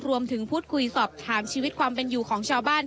รวมถึงพูดคุยสอบถามชีวิตความเป็นอยู่ของชาวบ้าน